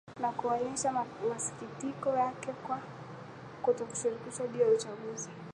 na kuonyesha masikitiko yake kwa kutoshirikishwa juu ya uchaguzi